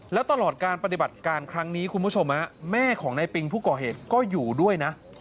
แล้วตลอดการปฏิบัติการครั้งนี้คุณผู้ชมแม่ของนายปิงผู้ก่อเหตุก็อยู่ด้วยนะ